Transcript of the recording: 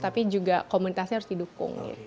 tapi juga komunitasnya harus didukung